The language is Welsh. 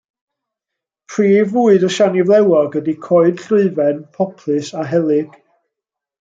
Prif fwyd y siani flewog ydy coed llwyfen, poplys a helyg.